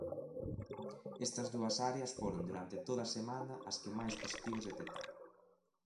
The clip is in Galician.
Estas dúas áreas foron durante toda a semana as que máis positivos detectaron.